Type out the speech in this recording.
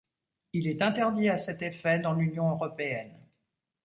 Il est interdit à cet effet dans l'Union européenne.